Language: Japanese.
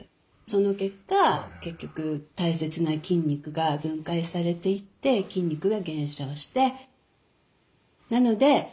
その結果結局大切な筋肉が分解されていって筋肉が減少して。